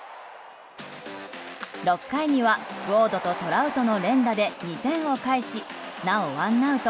６回にはウォードとトラウトの連打で２点を返しなおワンアウト